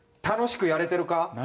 楽しくやれてるか？